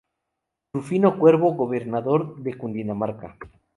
Rufino Cuervo, gobernador de Cundinamarca.